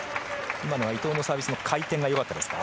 今の伊藤のサービス回転が良かったですか。